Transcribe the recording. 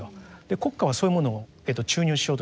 国家はそういうものを注入しようとしますから。